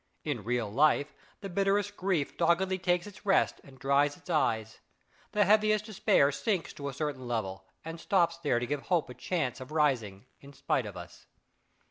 In real life the bitterest grief doggedly takes its rest and dries its eyes; the heaviest despair sinks to a certain level, and stops there to give hope a chance of rising, in spite of us.